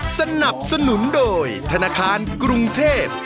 สนับสนุนโดยธนาคารกรุงเทพ